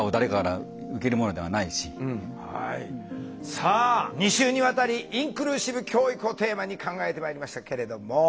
さあ２週にわたりインクルーシブ教育をテーマに考えてまいりましたけれども。